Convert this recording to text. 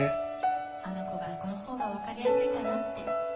あの子がこの方がわかりやすいかなって